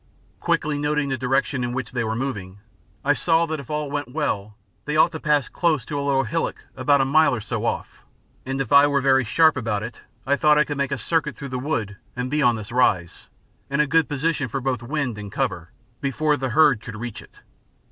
Quickly noting the direction in which they were moving, I saw that if all went well they ought to pass close to a little hillock about a mile or so off; and if I were very sharp about it, I thought I could make a circuit through the wood and be on this rise, in a good position for both wind and cover, before the herd could reach it.